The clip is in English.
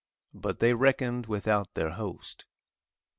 But they reckoned without their host.